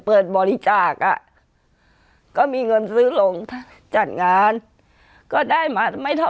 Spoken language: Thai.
เปิดบริจาคอ่ะก็มีเงินซื้อลงจัดงานก็ได้มาไม่เท่า